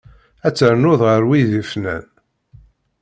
Ad ternuḍ ɣer wid yefnan.